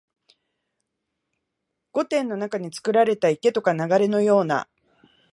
御殿の中につくられた池とか流れのような、